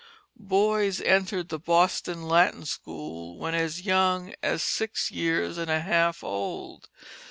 Boys entered the Boston Latin School when as young as but six years and a half old.